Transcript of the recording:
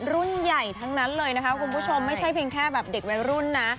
รุ่นใหญ่ทั้งนั้นเลยนะคะคุณผู้ชมไม่ใช่เพียงแค่แบบเด็กวัยรุ่นนะ